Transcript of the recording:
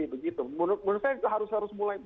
menurut saya harus mulai